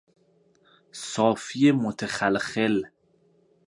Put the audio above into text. صافی متخلخل